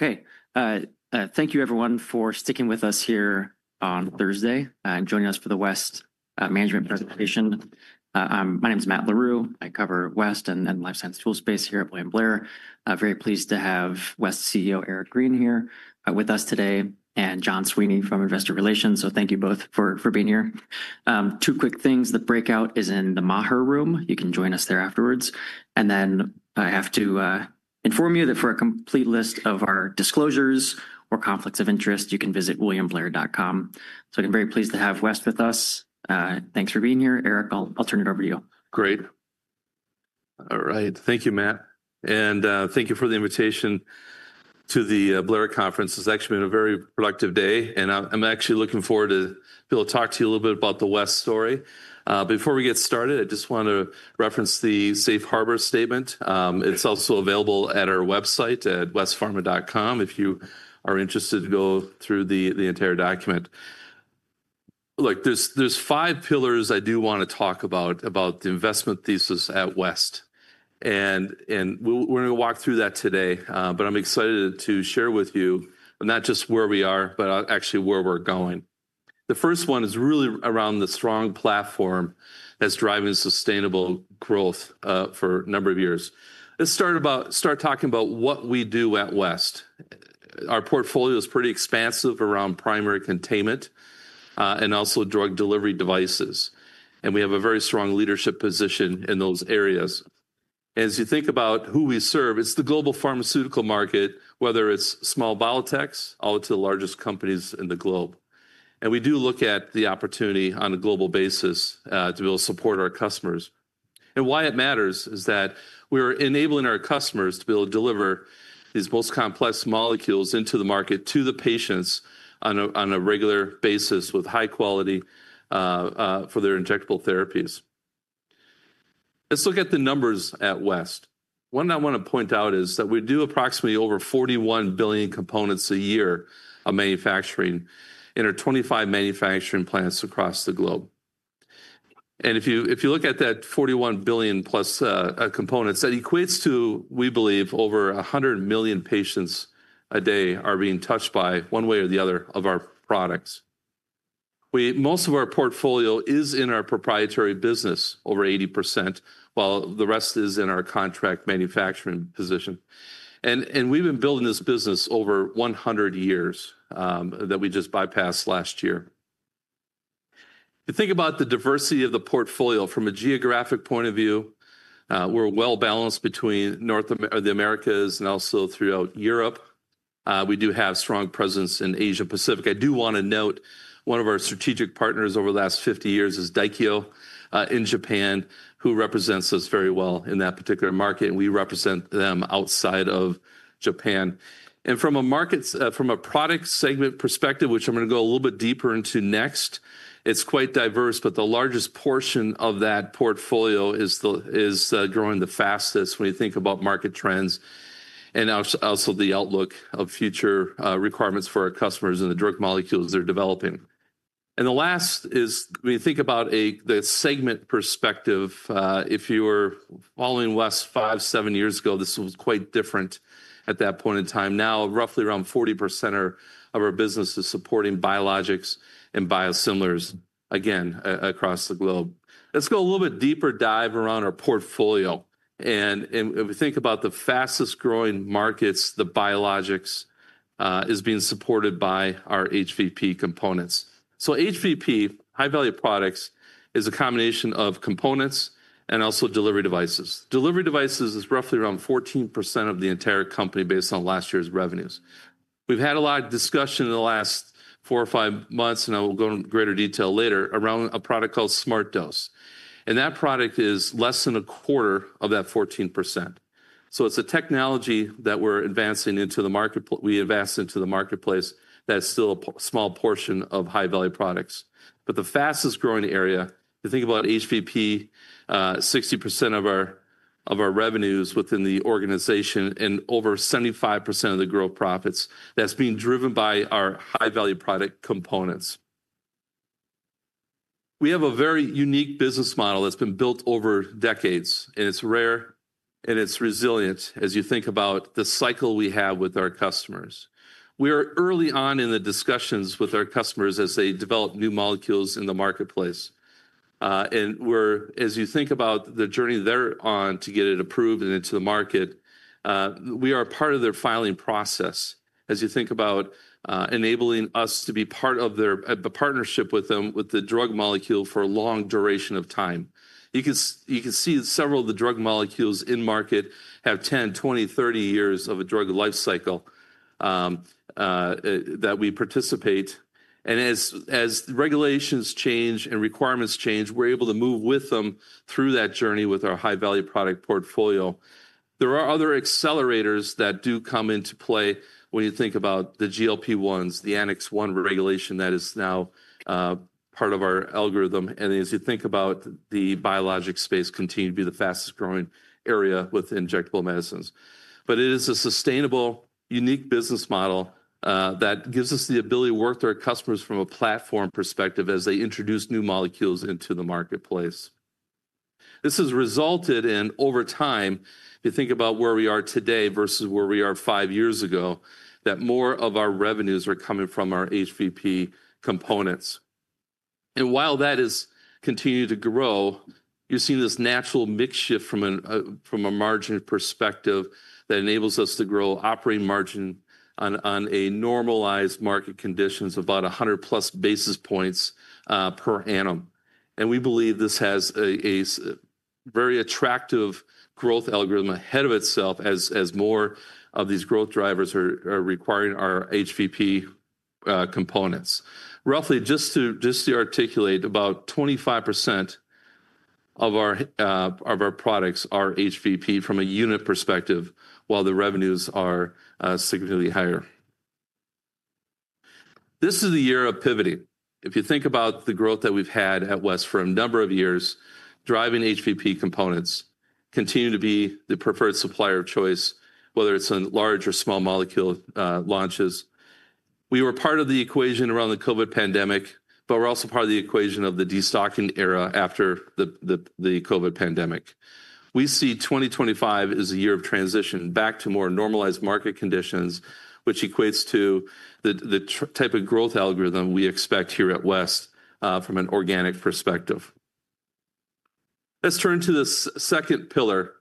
Okay. Thank you, everyone, for sticking with us here on Thursday and joining us for the West Management Presentation. My name is Matt Larew. I cover West and Life Science Tool Space here at William Blair. Very pleased to have West CEO Eric Green here with us today, and John Sweeney from Investor Relations. Thank you both for being here. Two quick things: the breakout is in the Maher room. You can join us there afterwards. I have to inform you that for a complete list of our disclosures or conflicts of interest, you can visit williamblair.com. I am very pleased to have West with us. Thanks for being here. Eric, I'll turn it over to you. Great. All right. Thank you, Matt. And thank you for the invitation to the Blair Conference. It's actually been a very productive day. And I'm actually looking forward to be able to talk to you a little bit about the West story. Before we get started, I just want to reference the Safe Harbor statement. It's also available at our website at westpharma.com if you are interested to go through the entire document. Look, there's five pillars I do want to talk about, about the investment thesis at West. And we're going to walk through that today. But I'm excited to share with you not just where we are, but actually where we're going. The first one is really around the strong platform that's driving sustainable growth for a number of years. Let's start about start talking about what we do at West. Our portfolio is pretty expansive around primary containment and also drug delivery devices. We have a very strong leadership position in those areas. As you think about who we serve, it's the global pharmaceutical market, whether it's small biotechs all to the largest companies in the globe. We do look at the opportunity on a global basis to be able to support our customers. Why it matters is that we are enabling our customers to be able to deliver these most complex molecules into the market to the patients on a regular basis with high quality for their injectable therapies. Let's look at the numbers at West. One I want to point out is that we do approximately over 41 billion components a year of manufacturing in our 25 manufacturing plants across the globe. If you look at that 41 billion plus components, that equates to, we believe, over 100 million patients a day are being touched by one way or the other of our products. Most of our portfolio is in our proprietary business, over 80%, while the rest is in our contract manufacturing position. We have been building this business over 100 years that we just bypassed last year. If you think about the diversity of the portfolio from a geographic point of view, we are well balanced between North America and also throughout Europe. We do have a strong presence in Asia-Pacific. I do want to note one of our strategic partners over the last 50 years is Daikyo in Japan, who represents us very well in that particular market. We represent them outside of Japan. From a market, from a product segment perspective, which I'm going to go a little bit deeper into next, it's quite diverse, but the largest portion of that portfolio is growing the fastest when you think about market trends and also the outlook of future requirements for our customers and the drug molecules they're developing. The last is when you think about the segment perspective, if you were following West five, seven years ago, this was quite different at that point in time. Now, roughly around 40% of our business is supporting biologics and biosimilars again across the globe. Let's go a little bit deeper dive around our portfolio. If we think about the fastest growing markets, the biologics is being supported by our HVP components. HVP, high value products, is a combination of components and also delivery devices. Delivery devices is roughly around 14% of the entire company based on last year's revenues. We have had a lot of discussion in the last four or five months, and I will go into greater detail later around a product called SmartDose. That product is less than a quarter of that 14%. It is a technology that we are advancing into the market. We advanced into the marketplace that is still a small portion of high value products. The fastest growing area, if you think about HVP, 60% of our revenues within the organization and over 75% of the growth profits is being driven by our high value product components. We have a very unique business model that has been built over decades, and it is rare, and it is resilient as you think about the cycle we have with our customers. We are early on in the discussions with our customers as they develop new molecules in the marketplace. As you think about the journey they are on to get it approved and into the market, we are a part of their filing process as you think about enabling us to be part of their partnership with them with the drug molecule for a long duration of time. You can see several of the drug molecules in market have 10, 20, 30 years of a drug life cycle that we participate. As regulations change and requirements change, we are able to move with them through that journey with our high value product portfolio. There are other accelerators that do come into play when you think about the GLP-1s, the Annex 1 regulation that is now part of our algorithm. As you think about the biologic space, it continues to be the fastest growing area with injectable medicines. It is a sustainable, unique business model that gives us the ability to work with our customers from a platform perspective as they introduce new molecules into the marketplace. This has resulted in, over time, if you think about where we are today versus where we were five years ago, that more of our revenues are coming from our HVP components. While that is continuing to grow, you're seeing this natural mix shift from a margin perspective that enables us to grow operating margin on normalized market conditions of about 100 plus basis points per annum. We believe this has a very attractive growth algorithm ahead of itself as more of these growth drivers are requiring our HVP components. Roughly, just to articulate, about 25% of our products are HVP from a unit perspective, while the revenues are significantly higher. This is a year of pivoting. If you think about the growth that we've had at West for a number of years, driving HVP components continue to be the preferred supplier of choice, whether it's in large or small molecule launches. We were part of the equation around the COVID pandemic, but we're also part of the equation of the destocking era after the COVID pandemic. We see 2025 as a year of transition back to more normalized market conditions, which equates to the type of growth algorithm we expect here at West from an organic perspective. Let's turn to the second pillar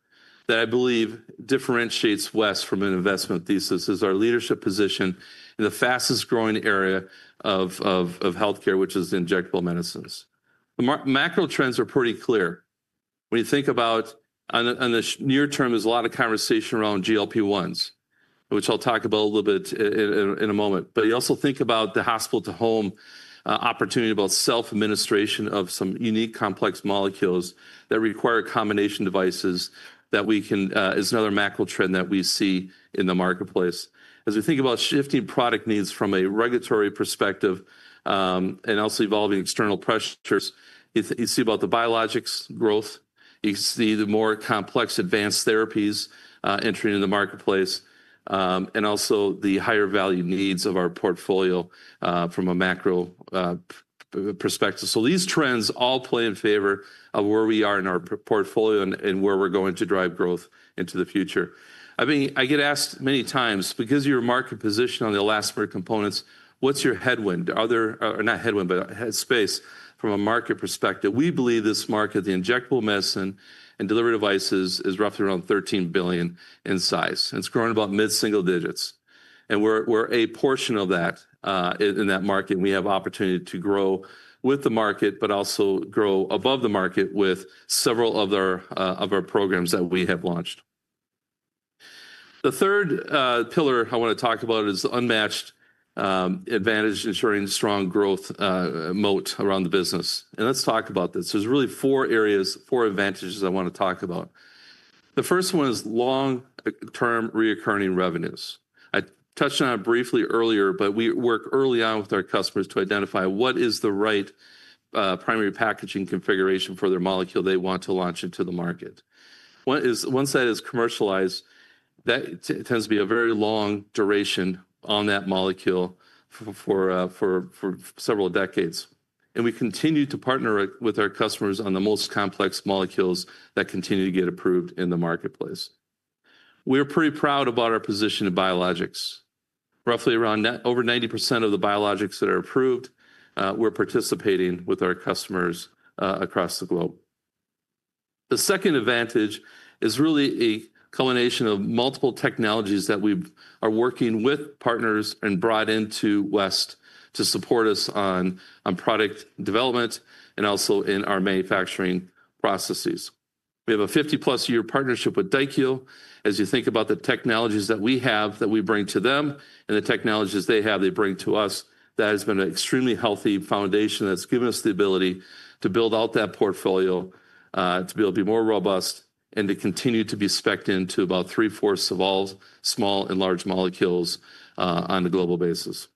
that I believe differentiates West from an investment thesis is our leadership position in the fastest growing area of healthcare, which is injectable medicines. The macro trends are pretty clear. When you think about, on the near term, there's a lot of conversation around GLP-1s, which I'll talk about a little bit in a moment. You also think about the hospital to home opportunity, about self-administration of some unique complex molecules that require combination devices that we can, is another macro trend that we see in the marketplace. As we think about shifting product needs from a regulatory perspective and also evolving external pressures, you see about the biologics growth, you see the more complex advanced therapies entering in the marketplace, and also the higher value needs of our portfolio from a macro perspective. These trends all play in favor of where we are in our portfolio and where we're going to drive growth into the future. I mean, I get asked many times, because of your market position on the elastomer components, what's your headwind? Not headwind, but headspace from a market perspective. We believe this market, the injectable medicine and delivery devices, is roughly around $13 billion in size. It is growing about mid-single digits. We are a portion of that in that market. We have opportunity to grow with the market, but also grow above the market with several of our programs that we have launched. The third pillar I want to talk about is the unmatched advantage ensuring strong growth moat around the business. Let's talk about this. There are really four areas, four advantages I want to talk about. The first one is long-term reoccurring revenues. I touched on it briefly earlier, but we work early on with our customers to identify what is the right primary packaging configuration for their molecule they want to launch into the market. Once that is commercialized, that tends to be a very long duration on that molecule for several decades. We continue to partner with our customers on the most complex molecules that continue to get approved in the marketplace. We are pretty proud about our position in biologics. Roughly around over 90% of the biologics that are approved, we are participating with our customers across the globe. The second advantage is really a culmination of multiple technologies that we are working with partners and brought into West to support us on product development and also in our manufacturing processes. We have a 50-plus year partnership with Daikyo. As you think about the technologies that we have that we bring to them and the technologies they have they bring to us, that has been an extremely healthy foundation that's given us the ability to build out that portfolio to be able to be more robust and to continue to be spec'd into about three-fourths of all small and large molecules on a global basis.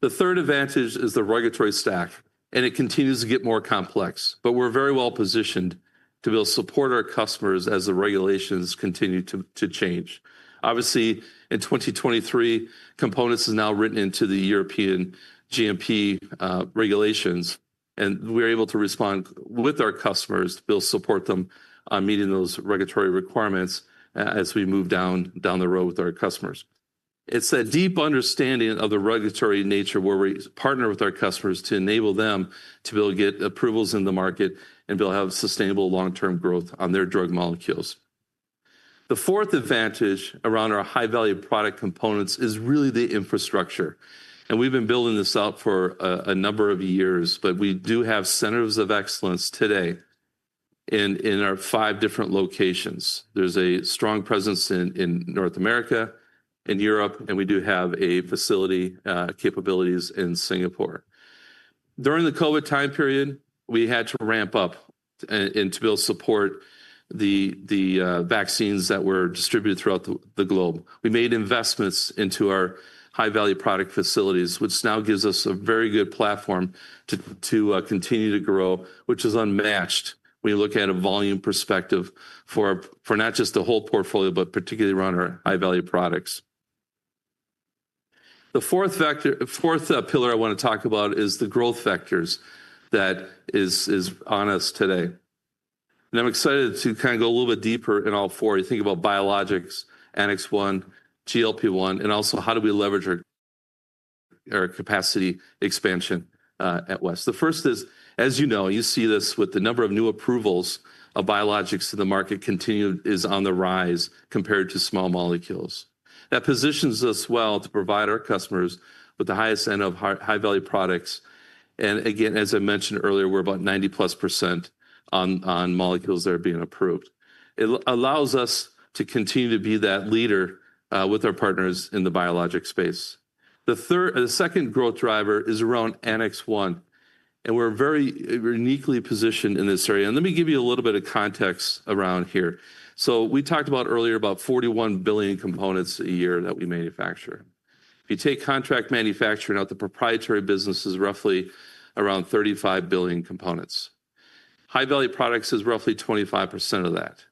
The third advantage is the regulatory stack. It continues to get more complex. We are very well positioned to be able to support our customers as the regulations continue to change. Obviously, in 2023, components are now written into the European GMP regulations. We are able to respond with our customers to be able to support them on meeting those regulatory requirements as we move down the road with our customers. It's a deep understanding of the regulatory nature where we partner with our customers to enable them to be able to get approvals in the market and be able to have sustainable long-term growth on their drug molecules. The fourth advantage around our high value product components is really the infrastructure. We have been building this out for a number of years, but we do have centers of excellence today in our five different locations. There is a strong presence in North America and Europe, and we do have facility capabilities in Singapore. During the COVID time period, we had to ramp up to be able to support the vaccines that were distributed throughout the globe. We made investments into our high value product facilities, which now gives us a very good platform to continue to grow, which is unmatched when you look at a volume perspective for not just the whole portfolio, but particularly around our high value products. The fourth pillar I want to talk about is the growth factors that is on us today. I'm excited to kind of go a little bit deeper in all four. You think about biologics, Annex 1, GLP-1, and also how do we leverage our capacity expansion at West. The first is, as you know, you see this with the number of new approvals of biologics to the market continued is on the rise compared to small molecules. That positions us well to provide our customers with the highest end of high value products. As I mentioned earlier, we're about 90% plus on molecules that are being approved. It allows us to continue to be that leader with our partners in the biologic space. The second growth driver is around Annex 1. We're very uniquely positioned in this area. Let me give you a little bit of context around here. We talked earlier about 41 billion components a year that we manufacture. If you take contract manufacturing out, the proprietary business is roughly around 35 billion components. High value products is roughly 25% of that.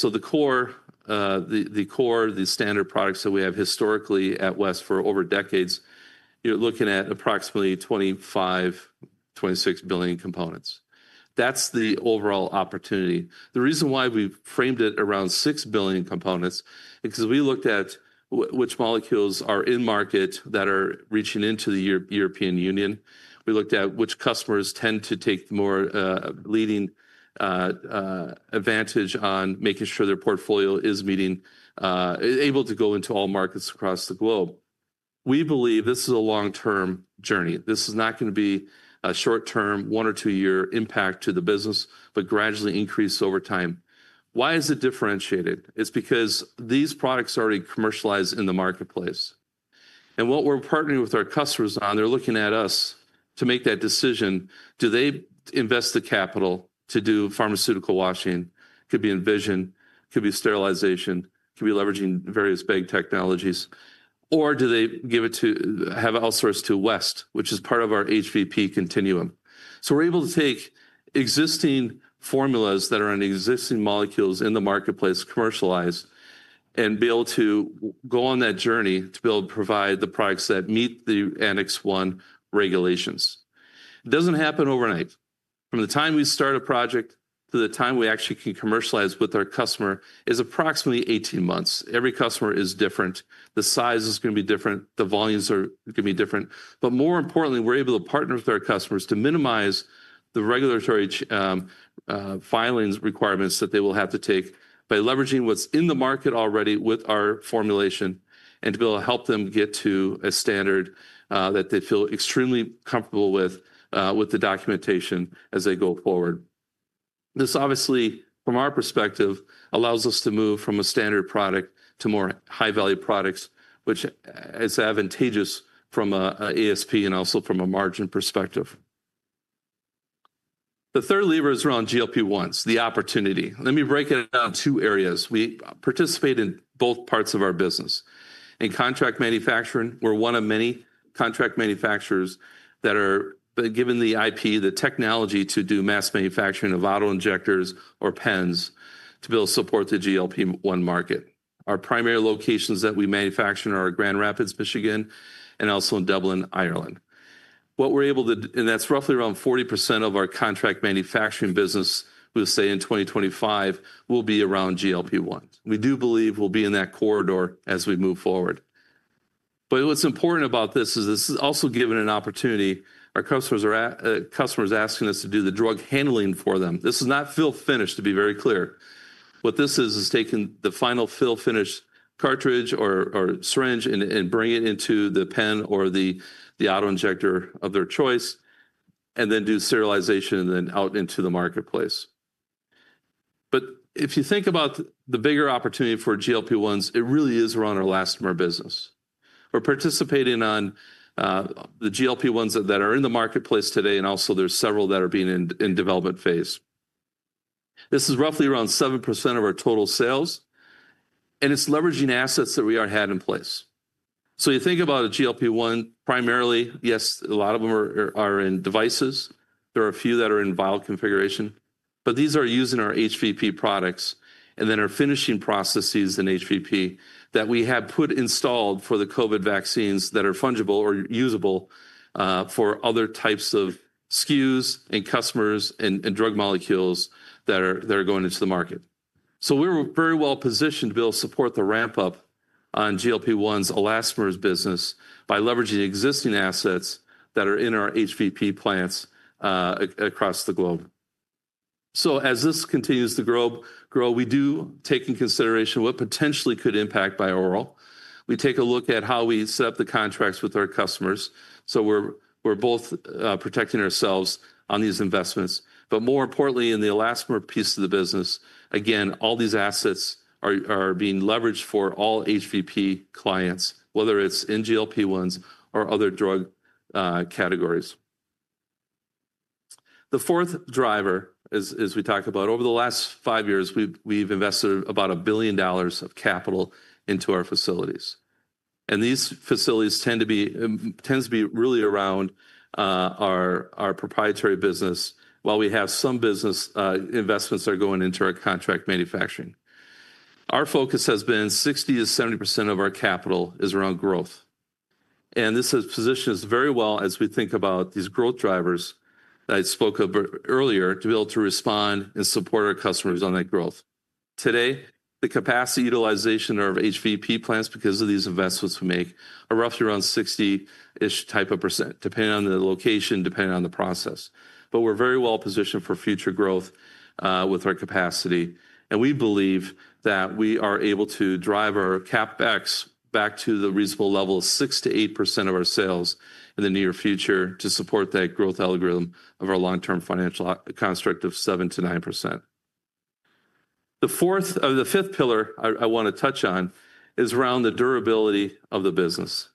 The core, the standard products that we have historically at West for over decades, you're looking at approximately 25-26 billion components. That's the overall opportunity. The reason why we framed it around 6 billion components is because we looked at which molecules are in market that are reaching into the European Union. We looked at which customers tend to take the more leading advantage on making sure their portfolio is able to go into all markets across the globe. We believe this is a long-term journey. This is not going to be a short-term, one or two year impact to the business, but gradually increase over time. Why is it differentiated? It is because these products are already commercialized in the marketplace. What we are partnering with our customers on, they are looking at us to make that decision. Do they invest the capital to do pharmaceutical washing? Could be envision, could be sterilization, could be leveraging various big technologies. Do they give it to have outsourced to West, which is part of our HVP continuum? We're able to take existing formulas that are on existing molecules in the marketplace, commercialize, and be able to go on that journey to be able to provide the products that meet the Annex 1 regulations. It doesn't happen overnight. From the time we start a project to the time we actually can commercialize with our customer is approximately 18 months. Every customer is different. The size is going to be different. The volumes are going to be different. More importantly, we're able to partner with our customers to minimize the regulatory filings requirements that they will have to take by leveraging what's in the market already with our formulation and to be able to help them get to a standard that they feel extremely comfortable with the documentation as they go forward. This obviously, from our perspective, allows us to move from a standard product to more high value products, which is advantageous from an ASP and also from a margin perspective. The third lever is around GLP-1s, the opportunity. Let me break it down in two areas. We participate in both parts of our business. In contract manufacturing, we're one of many contract manufacturers that are given the IP, the technology to do mass manufacturing of auto injectors or pens to be able to support the GLP-1 market. Our primary locations that we manufacture are Grand Rapids, Michigan, and also in Dublin, Ireland. What we're able to, and that's roughly around 40% of our contract manufacturing business, we'll say in 2025, will be around GLP-1. We do believe we'll be in that corridor as we move forward. What is important about this is this is also given an opportunity. Our customers are asking us to do the drug handling for them. This is not fill finish, to be very clear. What this is, is taking the final fill finish cartridge or syringe and bringing it into the pen or the auto injector of their choice and then do sterilization and then out into the marketplace. If you think about the bigger opportunity for GLP-1s, it really is around our elastomer business. We're participating on the GLP-1s that are in the marketplace today, and also there's several that are being in development phase. This is roughly around 7% of our total sales. It's leveraging assets that we already had in place. You think about a GLP-1 primarily, yes, a lot of them are in devices. There are a few that are in vial configuration. These are used in our HVP products and then our finishing processes in HVP that we have installed for the COVID vaccines that are fungible or usable for other types of SKUs and customers and drug molecules that are going into the market. We are very well positioned to be able to support the ramp-up on GLP-1s elastomers business by leveraging existing assets that are in our HVP plants across the globe. As this continues to grow, we do take into consideration what potentially could impact by oral. We take a look at how we set up the contracts with our customers. We are both protecting ourselves on these investments. More importantly, in the elastomer piece of the business, again, all these assets are being leveraged for all HVP clients, whether it is in GLP-1s or other drug categories. The fourth driver, as we talk about, over the last five years, we've invested about $1 billion of capital into our facilities. These facilities tend to be really around our proprietary business while we have some business investments that are going into our contract manufacturing. Our focus has been 60-70% of our capital is around growth. This has positioned us very well as we think about these growth drivers that I spoke of earlier to be able to respond and support our customers on that growth. Today, the capacity utilization of HVP plants because of these investments we make are roughly around 60% type of percent, depending on the location, depending on the process. We're very well positioned for future growth with our capacity. We believe that we are able to drive our CapEx back to the reasonable level of 6-8% of our sales in the near future to support that growth algorithm of our long-term financial construct of 7-9%. The fifth pillar I want to touch on is around the durability of the business.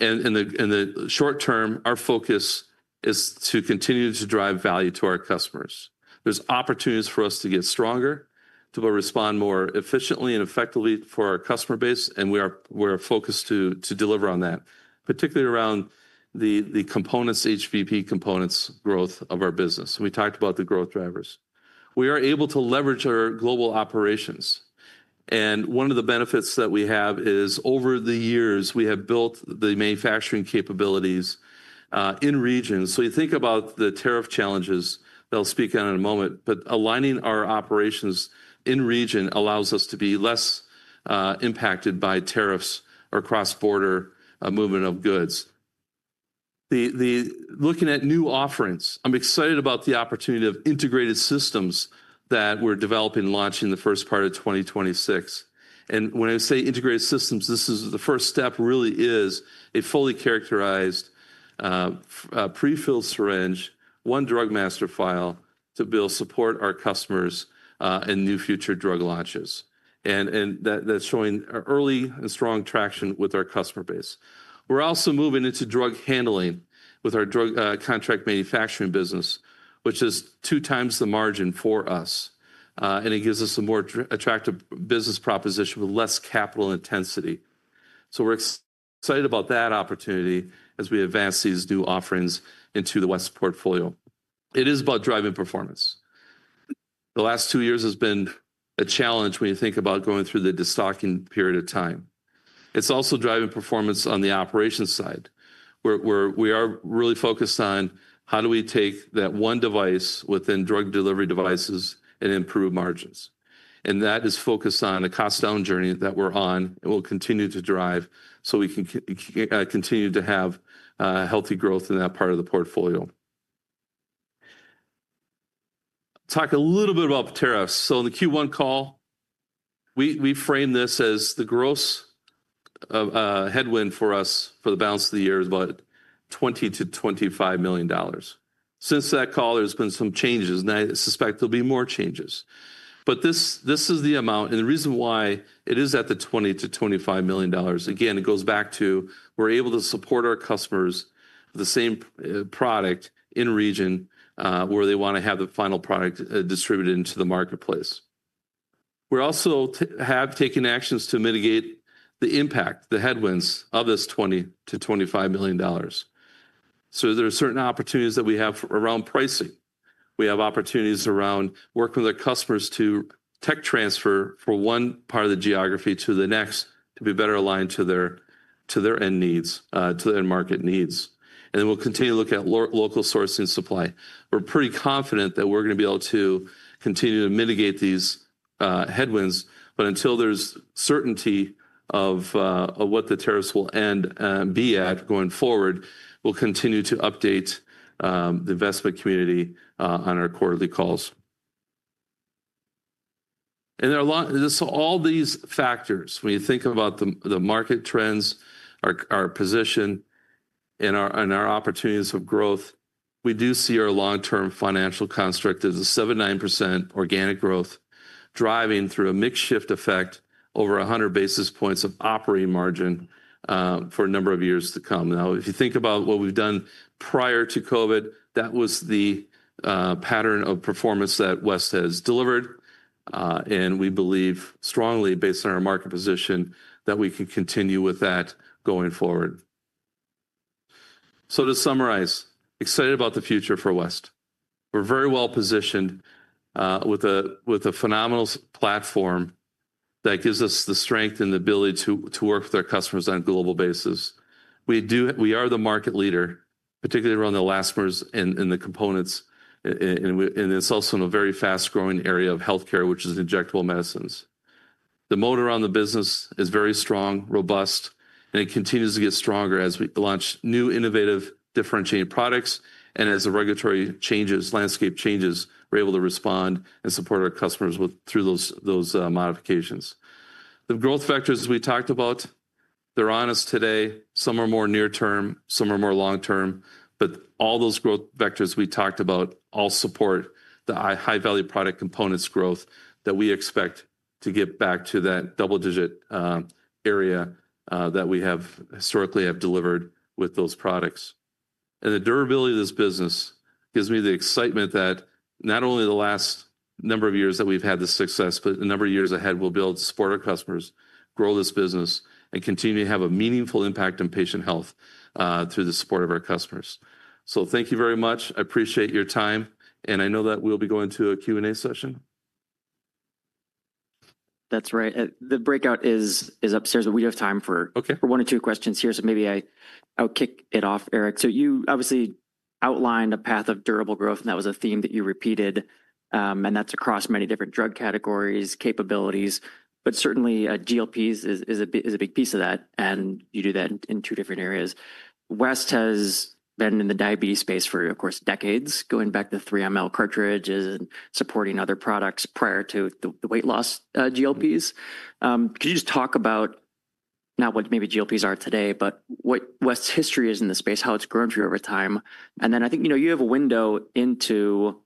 In the short term, our focus is to continue to drive value to our customers. There are opportunities for us to get stronger, to respond more efficiently and effectively for our customer base. We are focused to deliver on that, particularly around the components, HVP components growth of our business. We talked about the growth drivers. We are able to leverage our global operations. One of the benefits that we have is over the years, we have built the manufacturing capabilities in regions. You think about the tariff challenges that I'll speak on in a moment. Aligning our operations in region allows us to be less impacted by tariffs or cross-border movement of goods. Looking at new offerings, I'm excited about the opportunity of integrated systems that we're developing and launching in the first part of 2026. When I say integrated systems, this is the first step really is a fully characterized pre-filled syringe, one drug master file to be able to support our customers and new future drug launches. That's showing early and strong traction with our customer base. We're also moving into drug handling with our contract manufacturing business, which is two times the margin for us. It gives us a more attractive business proposition with less capital intensity. We're excited about that opportunity as we advance these new offerings into the West portfolio. It is about driving performance. The last two years has been a challenge when you think about going through the destocking period of time. It's also driving performance on the operations side. We are really focused on how do we take that one device within drug delivery devices and improve margins. That is focused on a cost-down journey that we're on and will continue to drive so we can continue to have healthy growth in that part of the portfolio. Talk a little bit about tariffs. In the Q1 call, we framed this as the gross headwind for us for the balance of the year is about $20-$25 million. Since that call, there's been some changes. I suspect there'll be more changes. This is the amount. The reason why it is at the $20-$25 million, again, it goes back to we're able to support our customers with the same product in region where they want to have the final product distributed into the marketplace. We also have taken actions to mitigate the impact, the headwinds of this $20-$25 million. There are certain opportunities that we have around pricing. We have opportunities around working with our customers to tech transfer for one part of the geography to the next to be better aligned to their end needs, to their end market needs. We will continue to look at local sourcing supply. We're pretty confident that we're going to be able to continue to mitigate these headwinds. Until there is certainty of what the tariffs will end and be at going forward, we will continue to update the investment community on our quarterly calls. There are all these factors. When you think about the market trends, our position, and our opportunities of growth, we do see our long-term financial construct as a 7-9% organic growth driving through a mixed shift effect over 100 basis points of operating margin for a number of years to come. If you think about what we have done prior to COVID, that was the pattern of performance that West has delivered. We believe strongly, based on our market position, that we can continue with that going forward. To summarize, excited about the future for West. We're very well positioned with a phenomenal platform that gives us the strength and the ability to work with our customers on a global basis. We are the market leader, particularly around the elastomers and the components. It's also in a very fast-growing area of healthcare, which is injectable medicines. The motor on the business is very strong, robust, and it continues to get stronger as we launch new innovative differentiated products. As the regulatory changes, landscape changes, we're able to respond and support our customers through those modifications. The growth vectors we talked about, they're on us today. Some are more near-term, some are more long-term. All those growth vectors we talked about all support the high-value product components growth that we expect to get back to that double-digit area that we have historically delivered with those products. The durability of this business gives me the excitement that not only the last number of years that we've had this success, but the number of years ahead we'll be able to support our customers, grow this business, and continue to have a meaningful impact on patient health through the support of our customers. Thank you very much. I appreciate your time. I know that we'll be going to a Q&A session. That's right. The breakout is upstairs, but we do have time for one or two questions here. Maybe I'll kick it off, Eric. You obviously outlined a path of durable growth, and that was a theme that you repeated. That's across many different drug categories, capabilities. Certainly, GLPs is a big piece of that. You do that in two different areas. West has been in the diabetes space for, of course, decades, going back to 3 mL cartridges and supporting other products prior to the weight loss GLPs. Can you just talk about not what maybe GLPs are today, but what West's history is in the space, how it's grown through over time? I think you have a window into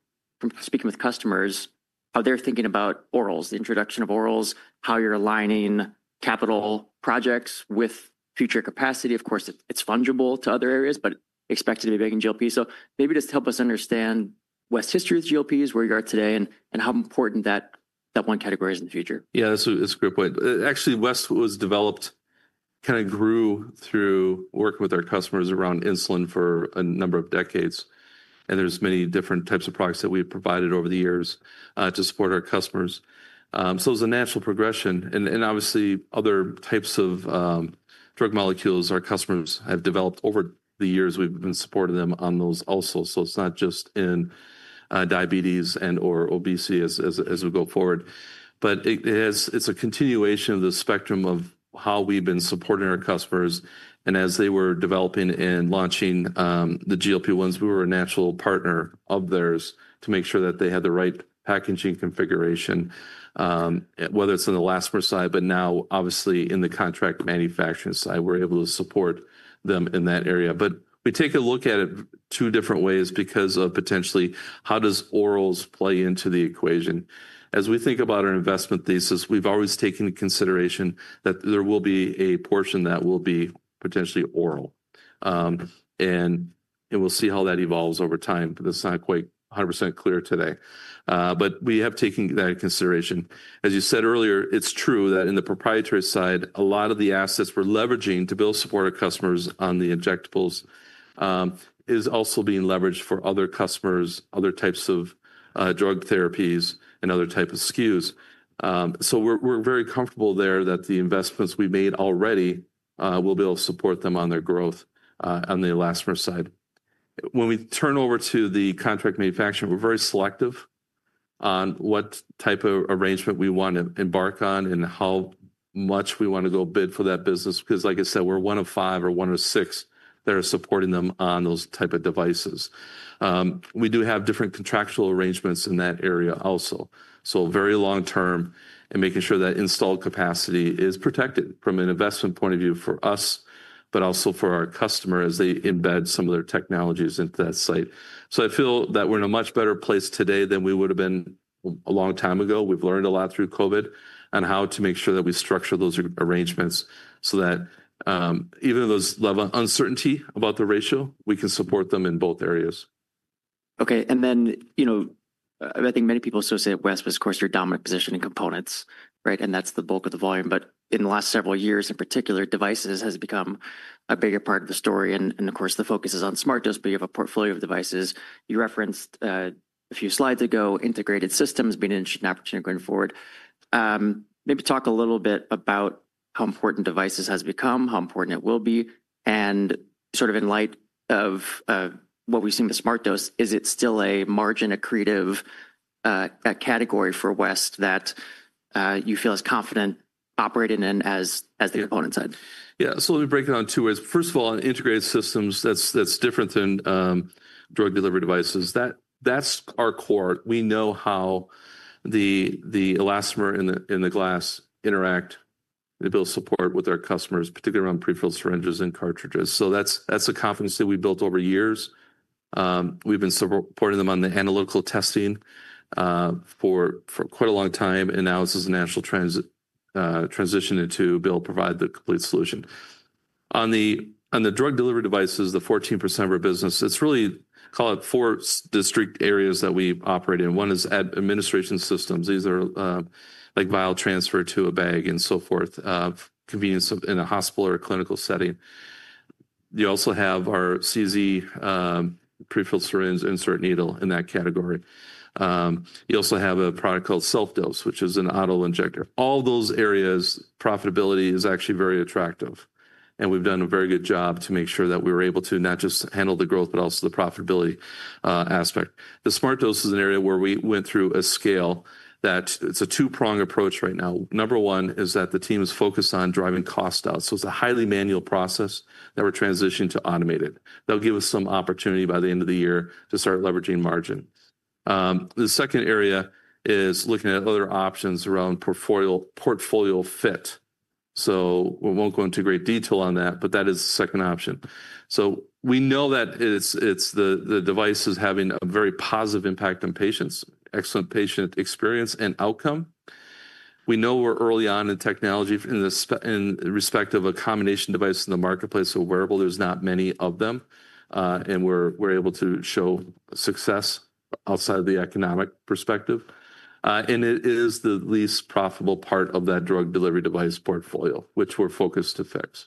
speaking with customers, how they're thinking about orals, the introduction of orals, how you're aligning capital projects with future capacity. Of course, it's fungible to other areas, but expected to be big in GLP. Maybe just help us understand West's history with GLPs, where you are today, and how important that one category is in the future. Yeah, that's a great point. Actually, West was developed, kind of grew through work with our customers around insulin for a number of decades. There are many different types of products that we've provided over the years to support our customers. It was a natural progression. Obviously, other types of drug molecules our customers have developed over the years. We've been supporting them on those also. It is not just in diabetes and/or obesity as we go forward. It is a continuation of the spectrum of how we've been supporting our customers. As they were developing and launching the GLP-1s, we were a natural partner of theirs to make sure that they had the right packaging configuration, whether it is on the elastomer side, but now, obviously, in the contract manufacturing side, we're able to support them in that area. We take a look at it two different ways because of potentially how orals play into the equation. As we think about our investment thesis, we've always taken into consideration that there will be a portion that will be potentially oral. We'll see how that evolves over time, but that's not quite 100% clear today. We have taken that into consideration. As you said earlier, it's true that in the proprietary side, a lot of the assets we're leveraging to build support of customers on the injectables is also being leveraged for other customers, other types of drug therapies, and other types of SKUs. We're very comfortable there that the investments we've made already will be able to support them on their growth on the elastomer side. When we turn over to the contract manufacturing, we're very selective on what type of arrangement we want to embark on and how much we want to go bid for that business. Because, like I said, we're one of five or one of six that are supporting them on those types of devices. We do have different contractual arrangements in that area also. Very long-term and making sure that installed capacity is protected from an investment point of view for us, but also for our customers as they embed some of their technologies into that site. I feel that we're in a much better place today than we would have been a long time ago. We've learned a lot through COVID on how to make sure that we structure those arrangements so that even those level of uncertainty about the ratio, we can support them in both areas. Okay. I think many people associate West with, of course, your dominant position in components, right? That's the bulk of the volume. In the last several years, in particular, devices has become a bigger part of the story. Of course, the focus is on SmartDose, but you have a portfolio of devices. You referenced a few slides ago, integrated systems being an interesting opportunity going forward. Maybe talk a little bit about how important devices have become, how important it will be? In light of what we've seen with SmartDose, is it still a margin accretive category for West that you feel as confident operating in as the component side? Yeah. Let me break it down in two ways. First of all, on integrated systems, that's different than drug delivery devices. That's our core. We know how the elastomer and the glass interact to build support with our customers, particularly around pre-filled syringes and cartridges. That's a confidence that we've built over years. We've been supporting them on the analytical testing for quite a long time. Now this is a natural transition to be able to provide the complete solution. On the drug delivery devices, the 14% of our business, it's really called four distinct areas that we operate in. One is administration systems. These are like vial transfer to a bag and so forth, convenience in a hospital or a clinical setting. You also have our CZ pre-filled syringe insert needle in that category. You also have a product called SelfDose, which is an auto injector. All those areas, profitability is actually very attractive. We've done a very good job to make sure that we were able to not just handle the growth, but also the profitability aspect. The SmartDose is an area where we went through a scale that it's a two-prong approach right now. Number one is that the team is focused on driving cost out. It is a highly manual process that we're transitioning to automated. That'll give us some opportunity by the end of the year to start leveraging margin. The second area is looking at other options around portfolio fit. We won't go into great detail on that, but that is the second option. We know that the device is having a very positive impact on patients, excellent patient experience and outcome. We know we're early on in technology in respect of a combination device in the marketplace. Wearable, there's not many of them. We are able to show success outside of the economic perspective. It is the least profitable part of that drug delivery device portfolio, which we're focused to fix.